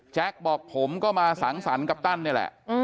บอกผมก็มาสังสรรค์กัปตันนี่แหละ